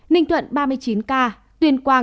ninh thuận ba mươi chín ca